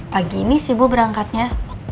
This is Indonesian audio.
pagi ini sih bu berangkatnya